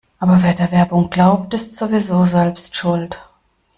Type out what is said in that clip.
Aber wer der Werbung glaubt, ist sowieso selbst schuld.